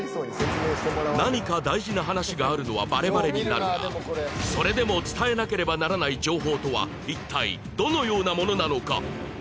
何か大事な話があるのはバレバレになるがそれでも伝えなければならない情報とは一体どのようなものなのか？